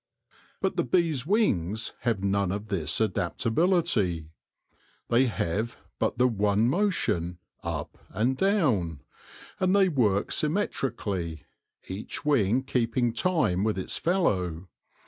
But the bee's wings have none of this adaptability. They have but the one motion, up and down ; and they work symmetri cally, each wing keeping time with its fellow.